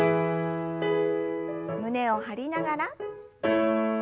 胸を張りながら。